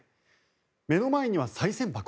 目の前にはさい銭箱。